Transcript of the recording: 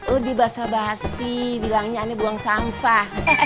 udah basa basi bilangnya ana buang sampah